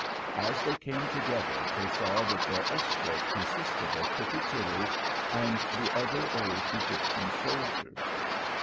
As they came together they saw that their escort consisted of Tippy Tilly and the other old Egyptian soldiers.